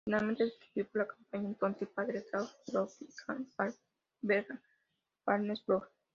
Originalmente distribuido por la compañía el entonces padre Taft Broadcasting Hanna-Barbera, Warner Bros.